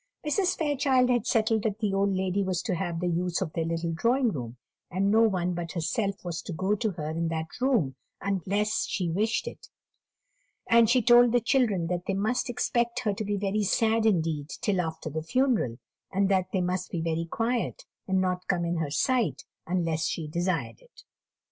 Mrs. Fairchild had settled that the old lady was to have the use of their little drawing room, and no one but herself was to go to her in that room unless she wished it; and she told the children they must expect her to be very sad indeed till after the funeral, and that they must be very quiet, and not come in her sight unless she desired it.